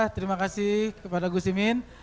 terima kasih kepada gus imin